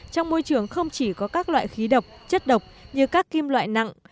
trong môi trường không chỉ có các loại khí độc chất độc như các kim loại nặng